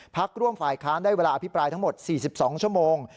พักร่วมฝ่ายค้านได้เวลาอภิปรายทั้งหมด๔๒ชั่วโมง